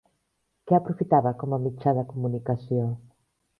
Què aprofitava com a mitjà de comunicació?